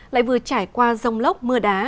lại vừa trải qua rông lốc mưa đá